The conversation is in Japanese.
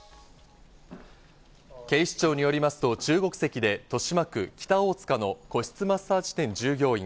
警視庁によりますと中国籍で豊島区北大塚の個室マッサージ店従業員